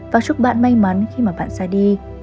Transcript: và chúc bạn may mắn khi mà bạn ra đi